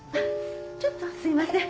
ちょっとすいません。